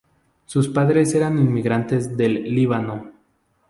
Sus padres eran inmigrantes del Líbano.